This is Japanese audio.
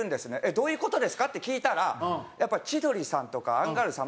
「どういう事ですか？」って聞いたらやっぱり千鳥さんとかアンガールズさん